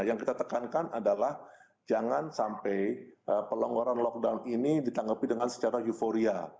yang kita tekankan adalah jangan sampai pelonggaran lockdown ini ditanggapi dengan secara euforia